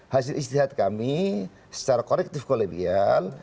hasil istihad kami secara korektif kolegial